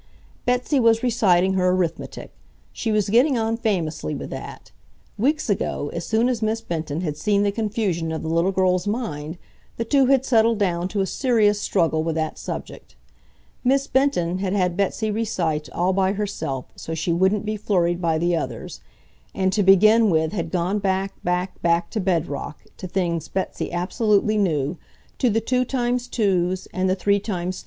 Betsy was reciting her arithmetic. She was getting on famously with that. Weeks ago, as soon as Miss Benton had seen the confusion of the little girl's mind, the two had settled down to a serious struggle with that subject. Miss Benton had had Betsy recite all by herself, so she wouldn't be flurried by the others; and to begin with had gone back, back, back to bedrock, to things Betsy absolutely knew, to the 2x2's and the 3x3's.